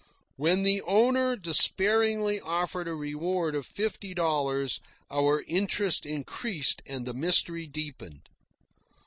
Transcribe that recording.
When the owner despairingly offered a reward of fifty dollars, our interest increased and the mystery deepened.